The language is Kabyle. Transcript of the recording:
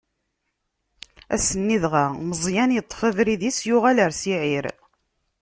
Ass-nni dɣa, Meẓyan yeṭṭef abrid-is, yuɣal ɣer Siɛir.